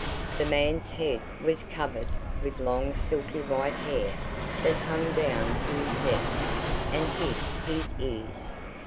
The man's head was covered with long silky white hair that hung down to his neck and hid his ears.